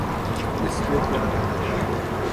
اس پہ کیا کہا جائے؟